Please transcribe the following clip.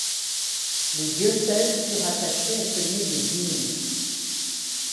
Le diocèse fut rattaché à celui de Digne.